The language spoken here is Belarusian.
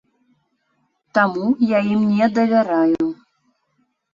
Таму я ім не давяраю.